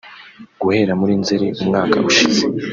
Guhera muri Nzeri umwaka ushize